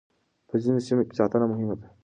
په ځينو سيمو کې ساتنه مهمه ده.